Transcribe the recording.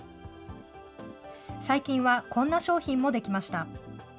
最近はこんな商品も出来ました。